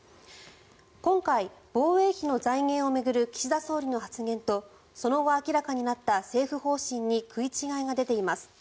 今回、防衛費の財源を巡る岸田総理の発言とその後、明らかになった政府方針に食い違いが出ています。